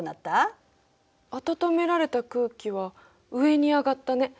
暖められた空気は上に上がったね。